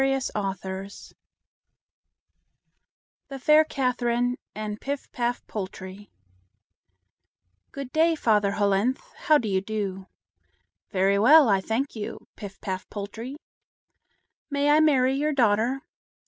THE FAIR CATHERINE AND PIF PAF POLTRIE "Good day, Father Hollenthe. How do you do?" "Very well, I thank you, Pif paf Poltrie." "May I marry your daughter?"